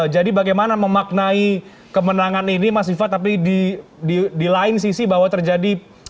jadi bagaimana memaknai kemenangan ini mas viva tapi di lain sisi bahwa terjadi